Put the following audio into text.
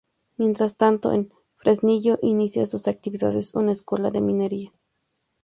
Mientras tanto en Fresnillo inicia sus actividades una Escuela de Minería.